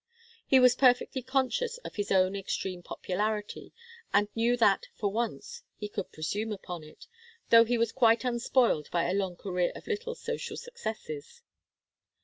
He was perfectly conscious of his own extreme popularity, and knew that, for once, he could presume upon it, though he was quite unspoiled by a long career of little social successes.